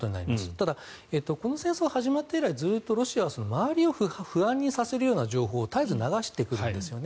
ただ、この戦争が始まって以来ずっとロシアは周りを不安にさせるような情報を絶えず流してくるんですね。